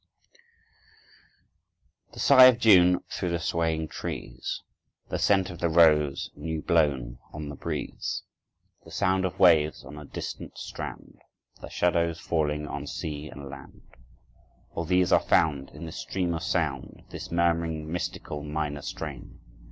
The sigh of June through the swaying trees, The scent of the rose, new blown, on the breeze, The sound of waves on a distant strand, The shadows falling on sea and land; All these are found In this stream of sound, This murmuring, mystical, minor strain.